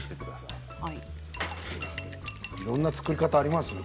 いろいろな作り方ありますよ。